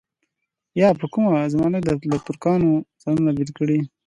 په کومه زمانه کې له ترکانو ځانونه بېل کړي.